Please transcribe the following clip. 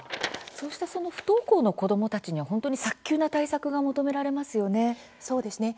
そうした不登校の子どもたちの本当に早急な対策が求められますよね。